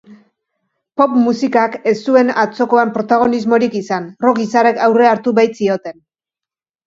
Pop musikak ez zuen atzokoan protagonismorik izan, rock izarrek aurrea hartu baitzioten.